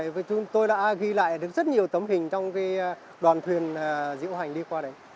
với chúng tôi đã ghi lại được rất nhiều tấm hình trong đoàn thuyền diễu hành đi qua đấy